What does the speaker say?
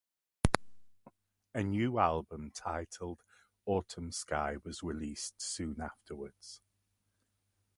A new album titled "Autumn Sky" was released soon afterwards.